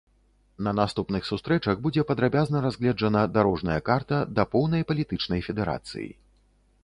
На наступных сустрэчах будзе падрабязна разгледжана дарожная карта да поўнай палітычнай федэрацыі.